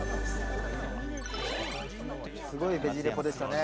すごい「ベジ・レポ」でしたね。